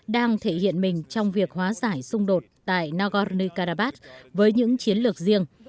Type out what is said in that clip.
đang thể hiện mình trong việc hóa giải xung đột tại nagorno karabakh với những chiến lược riêng